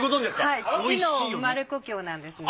はい父の生まれ故郷なんですね。